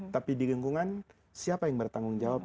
tapi di gengkungan siapa yang bertanggung jawab